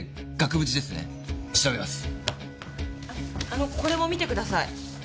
あのこれも見てください。